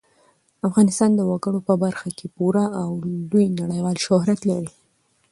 افغانستان د وګړي په برخه کې پوره او لوی نړیوال شهرت لري.